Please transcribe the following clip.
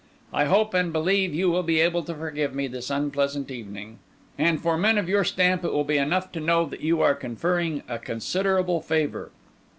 I hope and believe you will be able to forgive me this unpleasant evening; and for men of your stamp it will be enough to know that you are conferring a considerable favour."